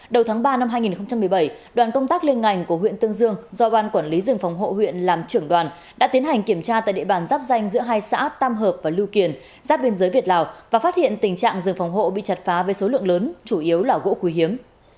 đầu tháng ba năm hai nghìn một mươi bảy đoàn công tác liên ngành của huyện tương dương do ban quản lý rừng phòng hộ huyện làm trưởng đoàn đã tiến hành kiểm tra tại địa bàn giáp danh giữa hai xã tam hợp và lưu kiền giáp biên giới việt lào và phát hiện tình trạng rừng phòng hộ bị chặt phá với số lượng lớn chủ yếu là gỗ quý hiếm